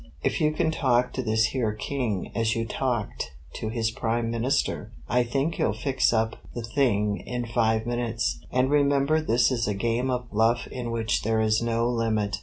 If you can talk to this here King as you talked to his Prime Minister, I think you'll fix up the thing in five minutes, and remember this is a game of bluff in which there is no limit.